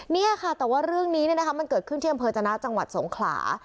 เนี่ยค่ะแต่ว่าเรื่องนี้เนี่ยนะคะมันเกิดขึ้นเชื่อมเผลอจนาจังหวัดสงขรา